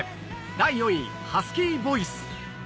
第４位、ハスキーボイス。